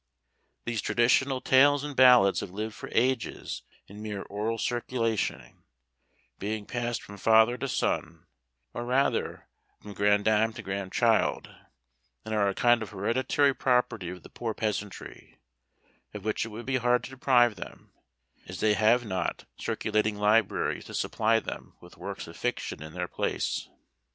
These traditional tales and ballads have lived for ages in mere oral circulation, being passed from father to son, or rather from grandam to grandchild, and are a kind of hereditary property of the poor peasantry, of which it would be hard to deprive them, as they have not circulating libraries to supply them with works of fiction in their place."